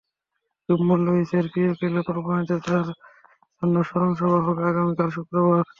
জুম্মন লুসাইয়ের প্রিয় ক্লাব আবাহনীতে তাঁর জন্য স্মরণসভা হবে আগামী শুক্রবার।